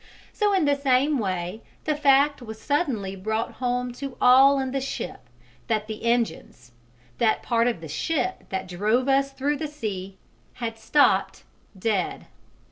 So in the same way the fact was suddenly brought home to all in the ship that the engines that part of the ship that drove us through the sea had stopped dead.